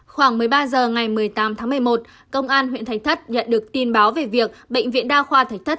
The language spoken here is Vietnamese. khoảng một mươi ba h ngày một mươi tám tháng một mươi một công an huyện thạch thất nhận được tin báo về việc bệnh viện đa khoa thạch thất